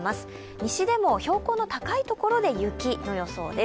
西でも標高の高いところで雪の予想です。